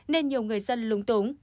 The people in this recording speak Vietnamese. nên nhiều người dân lúng túng